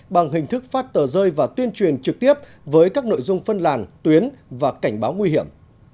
bằng hình thức phát tờ rơi và tuyên truyền trực tiếp với các nội dung phân làn tuyến và cảnh báo nguy hiểm